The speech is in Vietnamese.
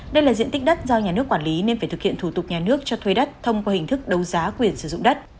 đây là diện tích đất do nhà nước quản lý nên phải thực hiện thủ tục nhà nước cho thuê đất thông qua hình thức đấu giá quyền sử dụng đất